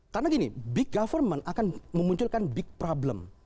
karena gini big government akan memunculkan big problem